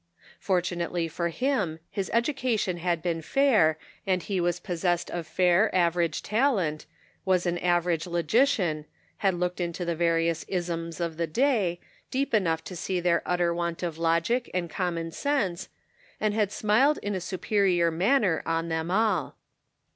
Fortunately for him, his education had been 176 The Pocket Measure. fair, and he was possessed of fair average tal ent, was an average logician, had looked into the various isms of the day, deep enough to see their utter want of logic and common sense, and had smiled in a superior manner on them all.